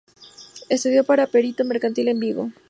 Estudió para perito mercantil en Vigo.